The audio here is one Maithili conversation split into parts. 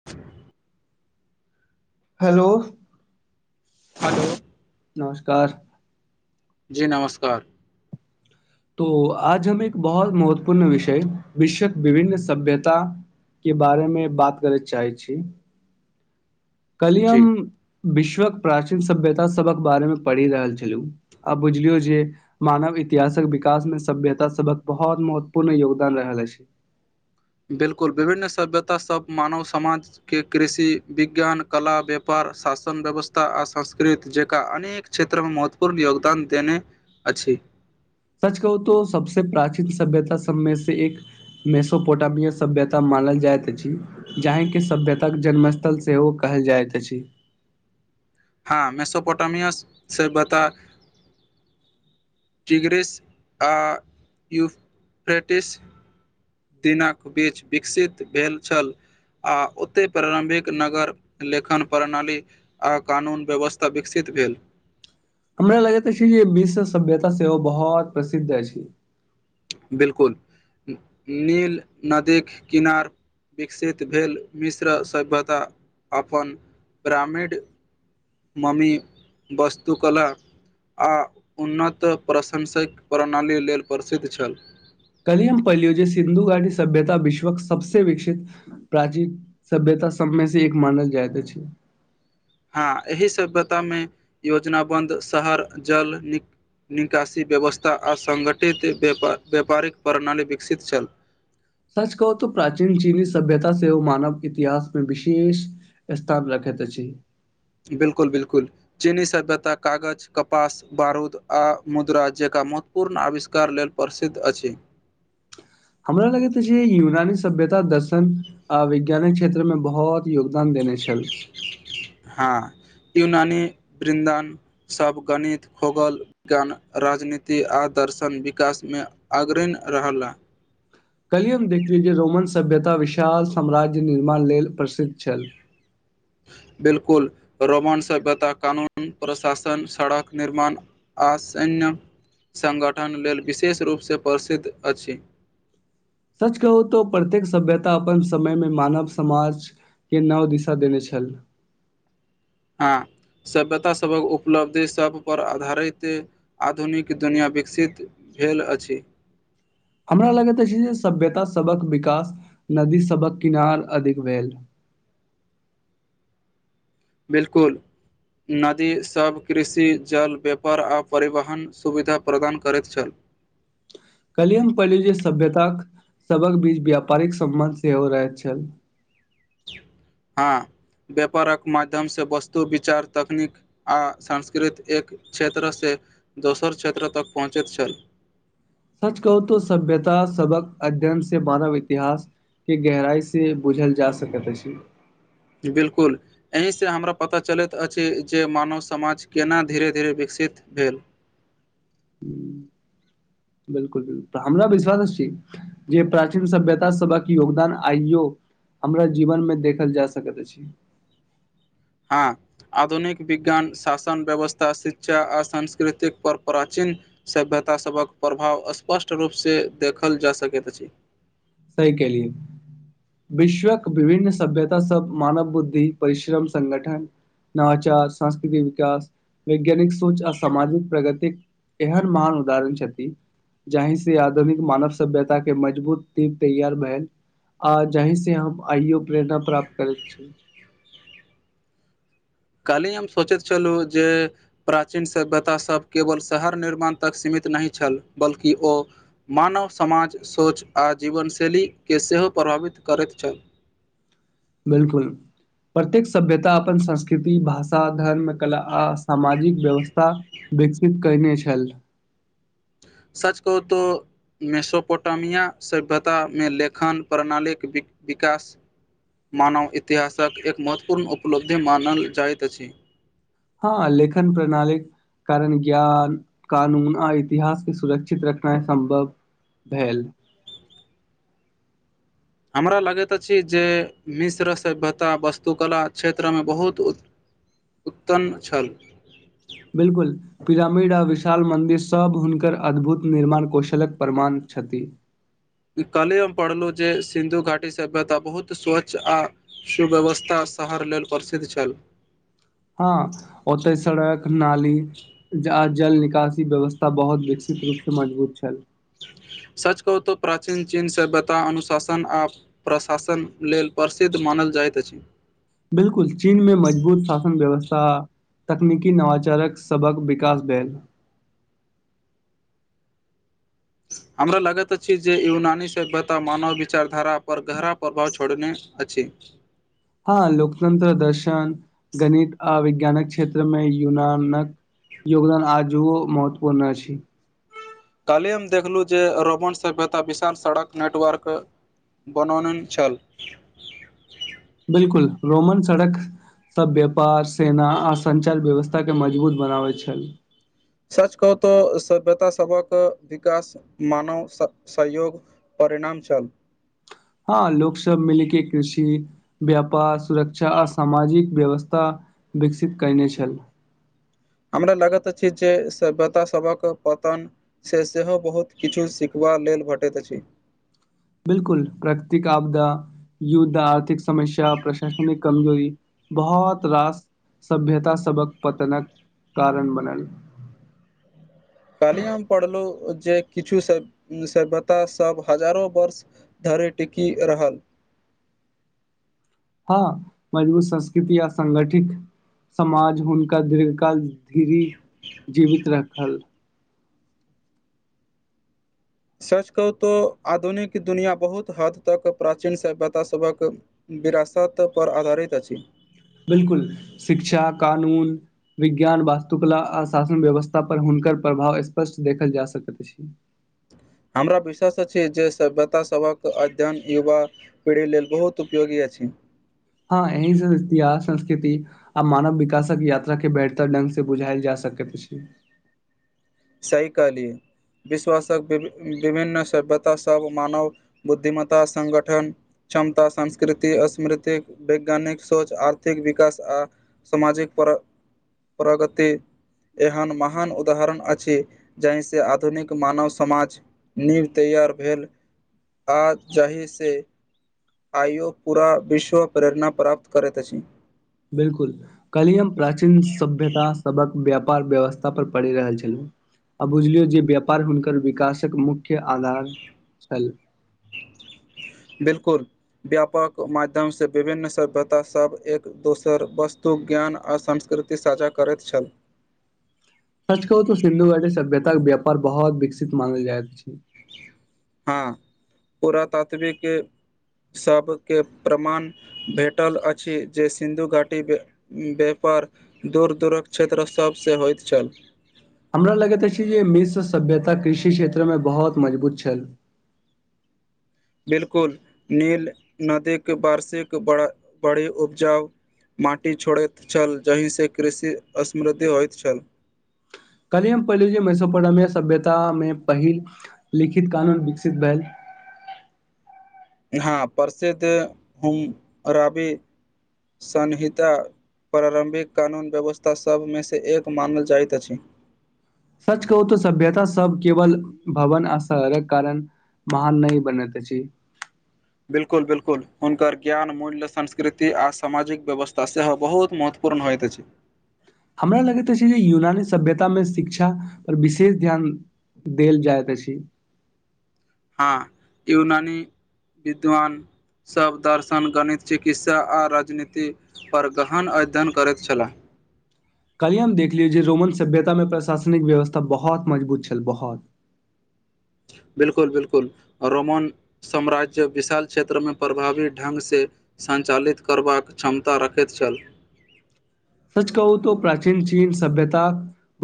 [unintelligible] हेलो हेलो नमस्कार जी नमस्कार तो आज हम एक बहुत महत्वपूर्ण विषय विश्वक विभिन्न सभ्यता के बारेमे बात करय चाहै छी जी कलियम विश्वक प्राचीन सभ्यता सभक बारे मे पढ़ि रहल छलहु आ बुझलियौ जे मानव इतिहासक विकास में सभ्यता सबक बहुत महत्वपूर्ण योगदान रहल अछि बिलकुल विभिन्न सभ्यता सब मानव समाज के कृषि विज्ञान कला व्यापार शासन व्यवस्था आ संस्कृति ज जेका अनेक क्षेत्रमे महत्वपूर्ण योगदान देने अछि सच कहू तो सबसँ प्राचीन सभ्यता सबमे से एक मेसोपोटामिय सभ्यता मानल जाइत अछि जाहिके सभ्यताक जन्मस्थल सेहो कहल जाइत अछि हँ मेसोपोटामियस से बता टिग्रस आ यूफ्रेटस दिनक बीच विकसित भेल छल आ ओते प्रारम्भिक नगर लेखन प्रणाली आ कानून व्यवस्था विकसित भेल हमरा लगैत छै जे विश्व सभ्यता सेहो बहुत प्रसिद्ध अछि बिलकुल नील नदीक किनार विकसित भेल मिश्र सभ्यता अपन ग्रामीण मम्मी वस्तु कला आ उन्नत प्रशंसक प्रणाली लेल प्रसिद्ध छल कलियम पलियज सिन्धु गाटी सभ्यता विश्वक सबस विकसित प्राचीन सभ्यता सबमे से एक मानल जाइत छै हँ एहि सभ्यतामे योजना बन्द शहर जल निक निकासी व्यवस्था आ सङ्गठित व्य व्यापारिक प्रणाली विकसित छल सच कहू त प्राचीन चीनी सभ्यता से मानव इतिहासमे विशेष स्थान रखैत अछि बिलकुल बिलकुल चीनी सभ्यता कागज कपास बारूद आ मुद्रा जक महत्वपर्ण आविष्कार लेल प्रसिद्ध अछि हमरा लगैत छै यूनानी सभ्यता दर्शन आ वैज्ञानिक क्षेत्र में बहुत योगदान देने छल हँ यनानी बृन्दन सब गणित खगोल विज्ञान राजनीति आ दर्शन विकासमे अग्रण रहल हएँ कल्हिए हम देखलौ जे रोमन सभ्यता विशाल साम्राज्य निर्माण लेल प्रसिद्ध छल बिल्कुल रोमान सभ्यता कानून प्रशासन सड़क निर्माण आ सैन्य संगठन लेल विशेष रूपसँ प्रसिद्ध अछि सच कहू तो प्रत्येक सभ्यता अपन समय मे मानव समाज के नाव दिशा देने छल हँ सभ्यतासभक उपलब्धि सभपर आधारित आधुनिक दुनिआँ विकसित भेल अछि हमरा लगैत छै जे सभ्यता सबक विकास नदी सबक किनार अधिक भेल बिल्कुल नदीसभ कृषि जल व्यापार आ परिवहन सुविधा प्रदान करैत छल कहलिये हम पहिले जे सभ्यतााक सबक बीच व्यापारिक सम्बन्ध सेहो रहैत छल हँ व्यापारक माध्यमसँ वस्तु विचार तकनीक आ संस्कृत एक क्षेत्रसँ दोसर क्षेत्र तक पहुँचैत छल सच कहू तो सभ्यता सबक अध्ययन से मानव इतिहास के गहराइसँ बूझल जा सकैत अछि बिलकुल एहिसँ हमरा पता चलैत अछि जे मानव समाज केना धीरे धीरे विकसित भेल ह बिलकुल बिलकुल हमरा विश्वास छी जे प्राचीन सभ्यता सभा क योगदान आइयो हमरा जीवन मे देखल जा सकैत अछि हँ आधुनिक विज्ञान शासन व्यवस्था शिक्षा आ सांस्कृतिक पर प्राचीन सभ्यतासभक प्रभाव स्पष्ट रूपसँ देखल जा सकैत अछि सह केलियए विश्वक विभिन्न सभ्यता सब मानव बुद्धि परिश्रम सगठन नवचार सांस्कृतिक विकास वैज्ञानिक सोच आ सामाजिक प्रगतिक एहन महान उदाहरण छथि जाहि से आधुनिक मानव सभ्यता के मजबूत तैयार भेलल आ जहीं से हम आइयो प्रेरणा प्राप्त करैत छी काली हम सोचैत छलु जे प्राचीन सभ्यतासभ केवल शहर निर्माण तक सीमित नहि छल बल्कि ओ मानव समाज सोच आ जीवनशैलीके सेहो प्रभावित करैत छथि बिल्कुल प्रत्येक सभ्यता अपन संस्कृति भाषा धर्म कला आ सामाजिक व्यवस्था विकसित कने छल सच कहूँ तो मेसोपोटामिया सभ्यतामे लेखन प्रणालीक वि विकास मानव इतिहासक एक महत्वपूर्ण उपलब्धि मानल जाइत अछि हँ लेखन प्रणाली कारण ज्ञान कानून आ इतिहासके सुरक्षित रखना ह सम्भव भेल हमरा लगैत अछि जे मिश्र सभ्यता वस्तुकला क्षेत्रमे बहुत उत्पन्न छल बिलकुल पिरामिड आ विशाल मन्दिर सभ हुनकर अद्भुत निर्माण कौशलक प्रमाण छथि ई कले हम पढ़लहु जे सिन्धु घाटी सभ्यता बहुत स्वच्छ आ सुव्यवस्था शहर लेल प्रसिद्ध छल हँ ओतऽ सड़क नाली ज जल निकासी व्यवस्था बहुत विकसित रूपसँ मजबूत छल सच कहू तो प्राचीन चिन्ह सँ सभयता अनुशासन आप प्रशासन लेल प्रसिद्ध मानल जाइत अछि बिल्कुल चीन मे मजबूत शासन व्यवस्था तकनीकी नवाचारक सभक विकास भेल हमरा लागैत अछि जे यूनानी सभ्यता मानव विचारधारा पर गहरा प्रभाव छोड़ने अछि हँ लोकतंत्र दर्शन गणित आ विज्ञानक क्षेत्रमे यूनानक योगदान आज महत्वपूर्ण अछि छै काल्हि हम देखलु जे रोमन सभ्यता विशाल सड़क नेटवर्क बनौन छल बिलकुल रोमन सड़क सब व्यापार सेना आ संचार व्यवस्था के मजबूत बनाबे छल सच कह तो सभ्यता सबक विकास मानव सहयोग परिणाम छल हँ लोक सब मिलके कृषि व्यापार सुरक्षा आ सामाजिक व्यवस्था विकसित करने छल हमरा लगैत अछि जे सभ्यतास सभक पतन से सेहो बहुत किछु सिखबा लेल भेटैत अछि बिलकुल प्राकृतिक आपदा युद्ध आर्थिक समस्य प्रशासनिक कमजोरी बहुत रास सभ्यता सबक पतनक कारण बनल कहलहि हम पढ़लहुँ जे किछु सभ सभ्यतासभ हजारो वर्ष धर टिकि रहल हँ मजबूत संस्कृति य सङ्गठित समाज हुनका दीर्घ काल धीरी जीवित राखल सर्च कहू तऽ आधुनिक दुनिआँ बहुत हद तक प्राचीन सभ्यतासभक विरासतपर आधारित अछि बिलकुल शिक्षा कानून विज्ञान वास्तुकला आ शासन व्यवस्था पर हुनकर प्रभाव स्पष्ट देखल जा सकैत अछि हमरा विश्वास अछि जे सभ्यता सभक अध्ययन युवा पीढ़ी लेल बहुत उपयोगी अछिन हँ एहिया संस्कृति आ मानव विकासक यात्रा के ब बेहतर ढंग से बुझायल जा सक सही कहलाए विश्वासक वि विभिन्न सभ्यता सब मानव बुद्धिमत्ता संगगठन क्षमता संस्कृति स्मृति वैज्ञानिक सोच आर्थिक विकास आ सामाजिक प्रगति एहन महान उदाहरण अछि छी जाहिसँ आधुनिक मानव समाज नीव तैयार भेल आ जा ही से आइयो पूरा विश्व प्रेरणा प्राप्त करैत अछि बिलकुल कलियम प्राचीन सभ्यता सक व्यापार व्यवस्था पर पड़ रहल छल आ बुझलियो जे व्यापार हुनकर विकासक मुख्य आधार छल बिलकुल व्यापक माध्यम से विभिन्न सभ्यता सभ एक दोसर वस्तु ज्ञान आ संस्कृति साझा करैत छल सच कहू तऽ सिन्धु गी सभ्यताक के व्यापार बहुत विकसित मानल जाइत छी हँ पुरातात्वविक सबके प्रमाण भेटल अछि जे सिन्धु घाटी व्यापार दूर दूरक क्षेत्र सभसँ होइत छल हमरा लगैत अछि जे मिश्र सभ्यता कृषि क्षेत्र मे बहुत मजबूत छल बिलकुल नील नदी के वार्षिकिक बड़ी उपजाउ माटि छोड़ैत छल जाहिसँ कृषि समृद्धि होइत छल कल्हि हम पहिले छी मैसपरमेया सभ्यतामे पहिल लिखित कानून विकसित भेल हाँ परसे दे हम रबी सन्हिता प्रारम्भिक कानून व्यवस्था सभ मे से एक मानल जाइत अछि सच कहू तऽ सभ्यता सब केवल भवन असहरक कारण महान नहि बनैते अछि बिलकुल बिल्कुल हुनकर ज्ञान मूल्य संस्कृति आ सामाजिक व्यवस्था सेहो बहुत महत्व पूर्ण होइत अछि हमरा लगैत छै जे यूनानी सभ्यतामे शिक्षा पर विशेष ध्यान देल जाएत अछि हँ यूनानी विद्वान सभ दर्शन गणित चिकित्सा आ राजनीतिपर गहन अध्ययन करैत छलाह कालहि हम देखलियै जे रोमन सभ्यता मे प्रशासनिक व्यवस्था बहौत मजबूत छल बहौत बिलकुल बिलकुल रोमन साम्राज्य विशाल क्षेत्रमे प्रभावी ढंग से सञ्चालित करबाक क्षमता रखैत छल। सच कहू त प्राचीन चीन सभ्यता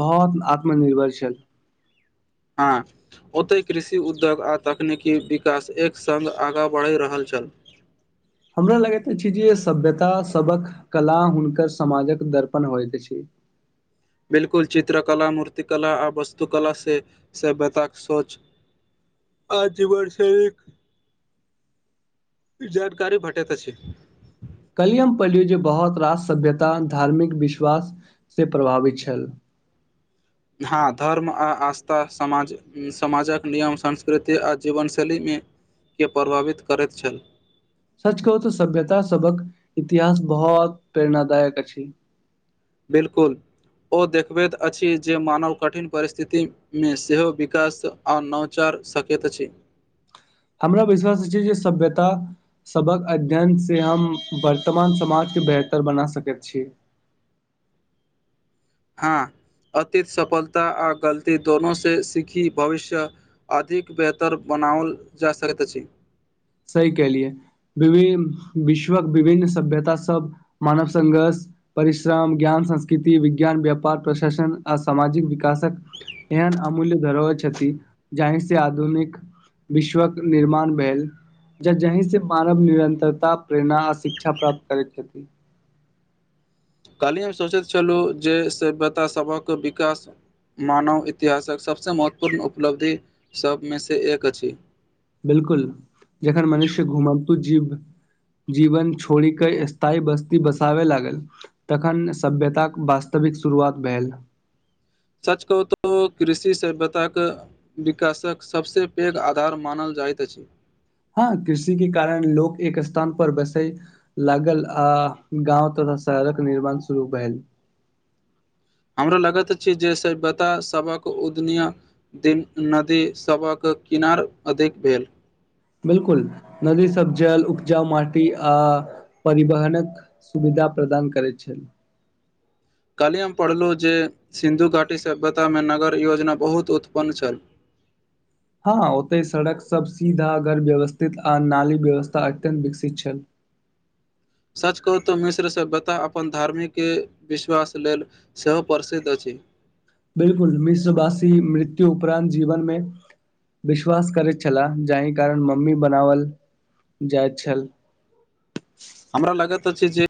बहुत आत्मनिर्भरशील हँ ओतहि कृषि उद्योग आ तकनीकी विकास एक संग आगाँ बढ़ि रहल छल। हमरा लगैत छै जे सभ्यता सबक कला हुनकर समाजक दर्पण होइत के छै बिलकुल चित्रकला मूर्ति कला आ वस्तु कला से सभ्यतााक सोच आज वर्षा एक जानकारी भटैत अछि काल्हि हम पढ़लियौ जे बहुत रास सभ्यता धार्मिक विश्वास से प्रभावित छल हाँ धर्म आ आस्था समाज समाजक नियम संस्कृति आ जीवन शैलीमे के प्रभावित करैत छल सच कह तऽ सभ्यता सबक इतिहास बहुत प्रेरणादायक अछि बिलकुल ओ देखबैत अछि जे मानव कठिन परिस्थिति मे सेहो विकास आ नवचार सकैत अछि हमरा विश्वास छै जे सभ्यता सभक अध्ययन से हम वर्तमान समाज के बेहतर बना सकै छी हाँ अतीत सफलता आ गलती दोनो से सीखी भविष्य अधिक बेहतर बनाओल जा सकैत अछि सही कलियए वि विश्वक विभिन्न सभ्यता सब मानव संघर्ष परिश्रम ज्ञान संस्कृति विज्ञान व्यापार प्रशासन आ सामाजिक विकासक एहन अमूल्य धरहति जाहि से आधुनिक विश्वक निर्माण भेल ज जीं से मानव निरंतरता प्रेरणा आ शिक्षा प्राप्त करै छथिति काल्हि हम सोचैत छलहुँ जे सभ्यतास सभक विकास मानव इतिहासक सभसँ महत्वपूर्ण उपलब्धि सभमे सँ एक अछि। बिल्कुल, एखन मनुष सेहो घूमैत जीव। जीवन छोड़ि कऽ स्थायी बस्ती बसाबऽ लागल। तखन सभ्यताक वास्तविक शुरुआत भेल। सच कहऽ तऽ कृषिसँ व्यतिरिक्त। विकासक सभसँ पैघ आधार मानल जाइत अछि। हँ, कृषिके कारण लोक एक स्थानपर बसल। लागल आ गाँव तथा शहरक निर्माण शुरू भेल। हमरा लगैत अछि जे सभ्यतासभक उदय भेल। दीन नदीसभक किनार अधिक भेल। बिल्कुल, नदीसभ जल, उपजाऊ माटी आ परिवहनक। सुविधा प्रदान करैत छै। काल्हि हम पढ़लहुँ जे सिन्धु घाटी सभ्यतामे नगर-योजना बहुत उन्नत छल। हँ, ओतऽ सड़कसभ सीधा आ व्यवस्थित, आ नाली व्यवस्था अत्यन्त विकसित छल। सच कहू तऽ मिश्र सेहो अपन धार्मिक विश्वास लेल। सेहो प्रसिद्ध अछि। बिल्कूल मिश्र भाषि मृत्यु उपरांत जीवन मे विश्वास करैत छल जाहि कारण मम्मी बनाओल जाइत छल। हमरा लगत अछि जे।